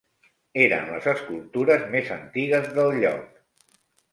Eren les escultures més antigues del lloc.